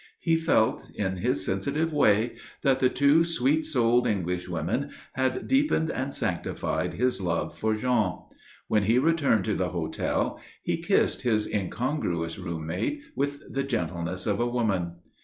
He felt, in his sensitive way, that the two sweet souled Englishwomen had deepened and sanctified his love for Jean. When he returned to the hotel he kissed his incongruous room mate with the gentleness of a woman.